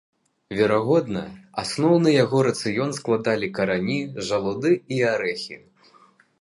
Верагодна, асноўны яго рацыён складалі карані, жалуды і арэхі.